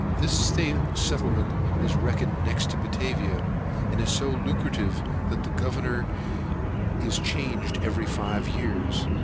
This settlement is reckoned next to Batavia, and is so lucrative, that the governor is changed every five years.